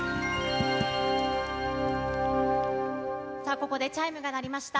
ここでチャイムが鳴りました。